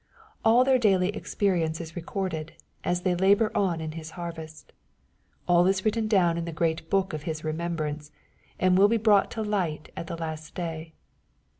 All their daily experience is recorded, as they labor on in His harvest. All is written down in the great book of His remembrance, and will be brought to light at the last day.